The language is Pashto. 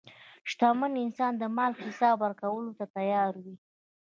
شتمن انسان د مال حساب ورکولو ته تیار وي.